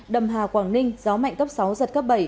đầm hà quảng ninh gió mạnh cấp sáu giật cấp bảy